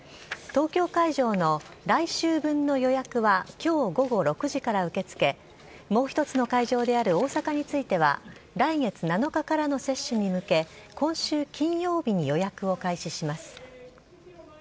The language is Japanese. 東京会場の来週分の予約はきょう午後６時から受け付け、もう一つの会場である大阪については、来月７日からの接種に向け、今週金曜日に予約を開始します。